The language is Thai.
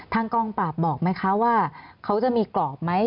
กองปราบบอกไหมคะว่าเขาจะมีกรอบไหม